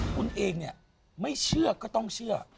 คุณเองเนี่ยไม่เชื่อก็ต้องเชื่อ